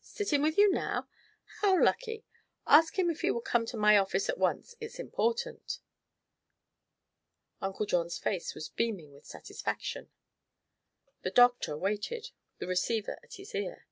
Sitting with you now? How lucky. Ask him if he will come to my office at once; it's important." Uncle John's face was beaming with satisfaction. The doctor waited, the receiver at his ear.